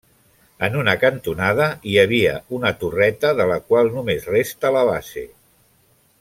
En una cantonada hi havia una torreta de la qual només resta la base.